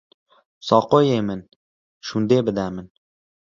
Saqoyê min şûnde bide min.